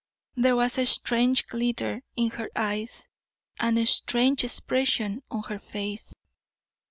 There was a strange glitter in her eyes, and a strange expression on her face.